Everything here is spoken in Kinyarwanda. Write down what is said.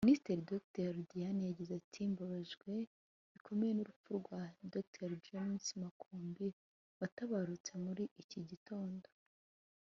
Minisitiri Dr Diane yagize ati “Mbabajwe bikomeye n’urupfu rwa Dr James Makumbi watabarutse muri iki gitondo